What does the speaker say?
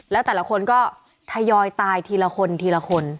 แล้วแต่ละคนก็ทยอยตายทีละคนทีละคน